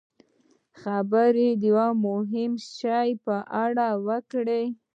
خبرې د یوه مهم شي په اړه وکړي.